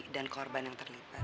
dan korban yang terlipat